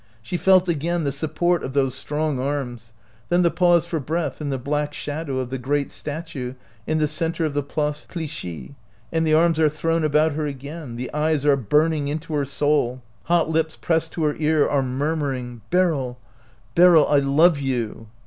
She felt again the support of those strong arms ; then the pause for breath in the black shadow of the great statue in the center of the Place Clichy, and the arms are thrown about her again, the eyes are burning into her soul, hot lips pressed to her ear are murmuring, 88 OUT OF BOHEMIA "Beryl! Beryl! I love you!"